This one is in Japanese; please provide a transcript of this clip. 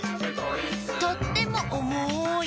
「とってもおもい！」